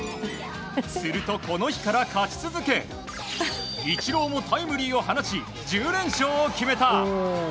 するとこの日から勝ち続けイチローもタイムリーを放ち１０連勝を決めた。